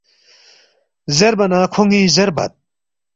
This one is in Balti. زیربا نہ کھون٘ی زیربت